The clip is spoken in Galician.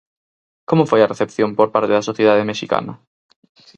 Como foi a recepción por parte da sociedade mexicana?